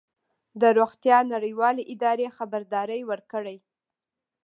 د روغتیا نړیوالې ادارې خبرداری ورکړی